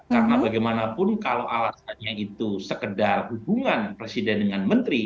karena bagaimanapun kalau alasannya itu sekedar hubungan presiden dengan menteri